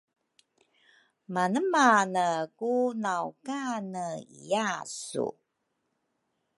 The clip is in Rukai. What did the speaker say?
Manemane ku naw kane iya su?